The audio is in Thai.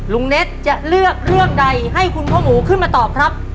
เน็ตจะเลือกเรื่องใดให้คุณพ่อหมูขึ้นมาตอบครับ